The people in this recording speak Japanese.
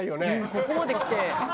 ここまできて。